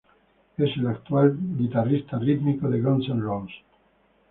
Es el actual guitarrista rítmico de Guns N' Roses.